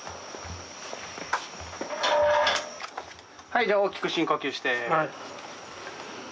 はい大きく深呼吸して。